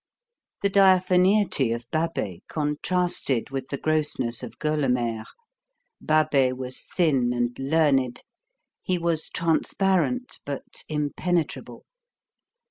The diaphaneity of Babet contrasted with the grossness of Gueulemer. Babet was thin and learned. He was transparent but impenetrable.